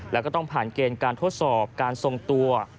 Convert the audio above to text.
แล้วก็ต้องผ่านเกณฑ์การทดสอบการทรงตัว